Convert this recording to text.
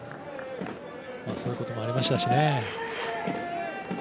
そういうこともありましたしね。